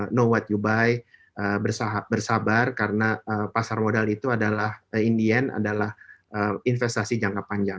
know what you buy bersabar karena pasar modal itu adalah in the end adalah investasi jangka panjang